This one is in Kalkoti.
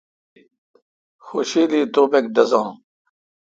خوشیلی توبک ڈزان۔